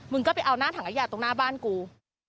ก็ไปเอาหน้าถังขยะตรงหน้าบ้านกู